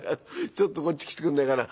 ちょっとこっち来てくんないかな。